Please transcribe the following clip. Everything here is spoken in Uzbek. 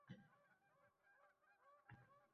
Oyna ortidagi tokchaga qo’ndi.